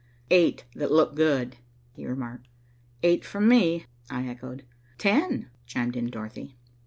"Eight that look good," he remarked. "Eight from me," I echoed. "Ten," chimed in Dorothy.